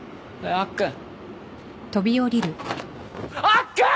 アッくん！